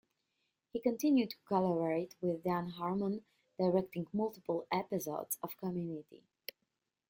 He continued to collaborate with Dan Harmon, directing multiple episodes of Community.